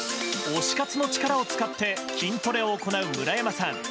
推し活の力を使って筋トレを行う村山さん